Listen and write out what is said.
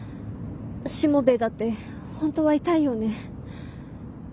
しもべえだって本当は痛いよね？